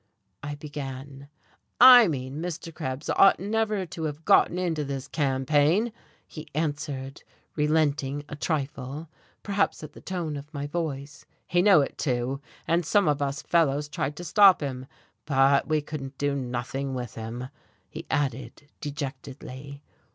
I began. "I mean Mr. Krebs oughtn't never to have gone into this campaign," he answered, relenting a trifle, perhaps at the tone of my voice. "He knew it, too, and some of us fellows tried to stop him. But we couldn't do nothing with him," he added dejectedly.